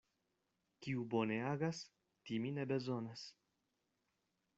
Kiu bone agas, timi ne bezonas.